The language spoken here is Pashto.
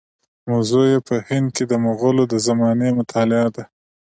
موضوع یې په هند کې د مغولو د زمانې مطالعه ده.